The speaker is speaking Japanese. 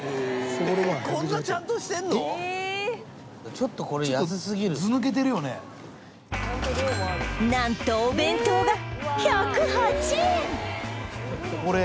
ちょっとこれ何とお弁当が１０８円